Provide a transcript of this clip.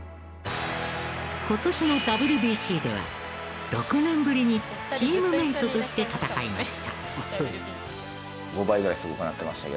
今年のＷＢＣでは６年ぶりにチームメイトとして戦いました。